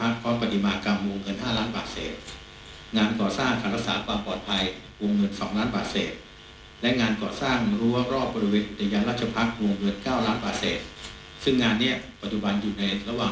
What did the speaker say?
ซึ่งงานนี้ปัจจุบันอยู่ในระหว่าง